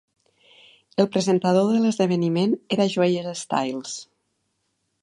El presentador de l'esdeveniment era Joey Styles.